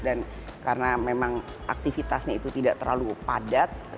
dan karena memang aktivitasnya itu tidak terlalu padat